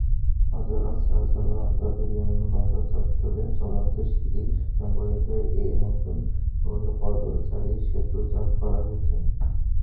হজরত শাহজালাল আন্তর্জাতিক বিমানবন্দর চত্বরে চলন্ত সিঁড়ি-সংবলিত নতুন পদচারী-সেতু চালু করা হয়েছে।